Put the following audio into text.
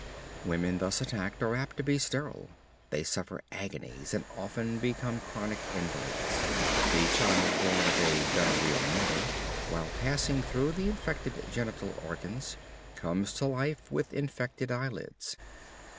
Women thus attacked usually are apt to be sterile; they suffer agonies, and often become chronic invalids. The child born of a gonorrheal mother, while passing through the infected genital organs, comes to life with infected eyelids.